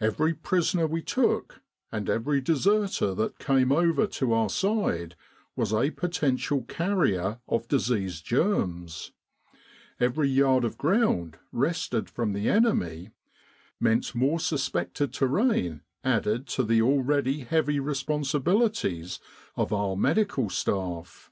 Every prisoner we took, and every deserter that came over to our side, was a potential carrier of disease germs : every yard of ground wrested from the enemy meant more suspected terrain added to the already heavy responsibilities of our Medical Staff.